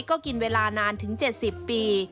ก็กินเวลานานถึง๗๐ปี